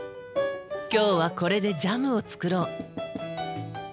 今日はこれでジャムを作ろう。